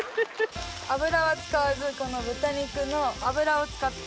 油は使わずこの豚肉の脂を使って。